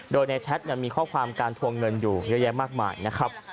โดยในแชทมีข้อความการทวงเงินอยู่เยอะแยะมากมายนะครับ